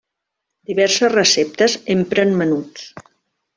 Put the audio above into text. Diverses receptes empren menuts.